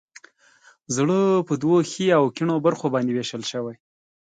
زړه په دوو ښي او کیڼو برخو باندې ویش شوی.